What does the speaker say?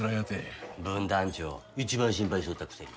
分団長一番心配しとったくせに。